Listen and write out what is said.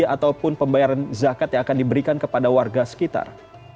ataupun pembayaran zakat yang akan diberikan kepada warga sekitar